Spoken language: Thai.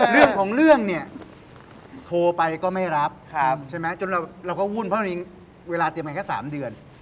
เรื่องของเรื่องเนี่ยโทรไปก็ไม่รับใช่ไหมจนเราก็วุ่นเพราะเวลาเตรียมกันแค่๓เดือน